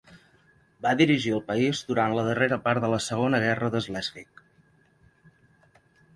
Va dirigir el país durant la darrera part de la Segona Guerra de Slesvig.